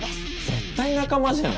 絶対仲間じゃん。